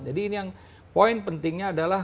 jadi ini yang poin pentingnya adalah